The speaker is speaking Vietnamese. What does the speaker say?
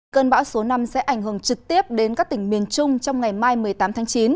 cơn bão số năm sẽ ảnh hưởng trực tiếp đến các tỉnh miền trung trong ngày mai một mươi tám tháng chín